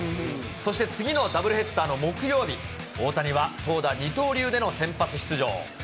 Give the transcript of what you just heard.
そして次のダブルヘッダーの木曜日、大谷は投打二刀流での先発出場。